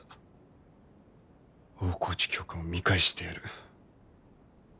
大河内教官を見返してやる。